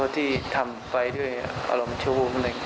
ทำคนเดียวครับ